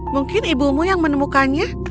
mungkin ibumu yang menemukannya